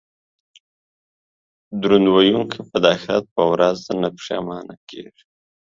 درود ویونکی به د اخرت په ورځ نه پښیمانه کیږي